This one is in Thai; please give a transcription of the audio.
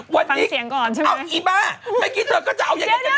ฟังเสียงก่อนใช่ไหมวันอีกเอ้าอีบ้าไม่กินเถอะก็จะเอาอย่างนั้นกันด้วย